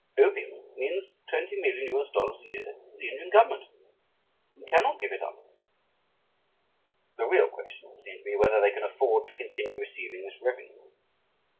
Opium means $20,000,000 a year to the Indian Government we cannot give it up." The real question would seem to be whether they can afford to continue receiving this revenue.